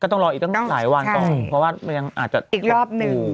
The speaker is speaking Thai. ต้องรออีกตั้งหลายวันก่อนเพราะว่ามันยังอาจจะอีกรอบหนึ่ง